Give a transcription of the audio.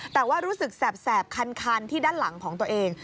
แต่ว่ารู้สึกแสบคันที่ด้านหลังของตัวเอง